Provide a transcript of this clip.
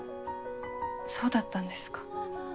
そうだったんですか。